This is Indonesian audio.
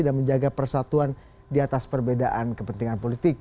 dan menjaga persatuan di atas perbedaan kepentingan politik